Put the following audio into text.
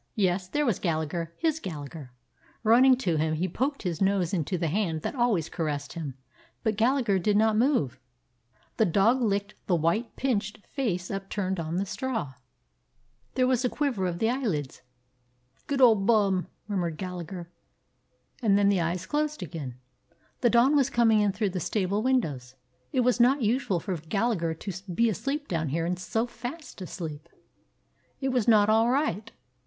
Yes, there was Gallagher, his Gallagher. Running to him, he poked his nose into the hand that always caressed him, but Gallagher did not move. The dog licked the white, pinched face upturned on the straw. 169 DOG HEROES OF MANY LANDS There was a quiver of the eyelids. "Good old Bum!" murmured Gallagher, and then the eyes closed again. The dawn was coming in through the stable windows. It was not usual for Gallagher to be asleep down here, and so fast asleep. It was not all right.